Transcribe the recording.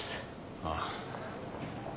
ああ。